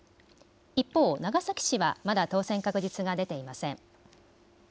一方で長崎市はまだ当選確実が出ていません。